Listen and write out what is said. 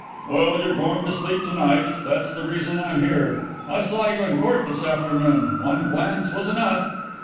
"Well, you're going to sleep to night. That's the reason I'm here. I saw you in court this afternoon one glance was enough."